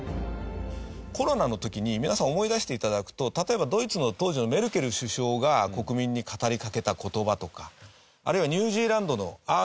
コロナの時に皆さん思い出して頂くと例えばドイツの当時のメルケル首相が国民に語りかけた言葉とかあるいはニュージーランドのアーダーン首相。